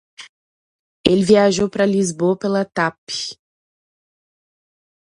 Ele viajou pra Lisboa pela Tap.